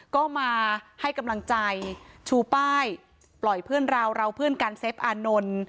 ก็มาให้กำลังใจชูป้ายปล่อยเพื่อนเราเราเพื่อนกันเซฟอานนท์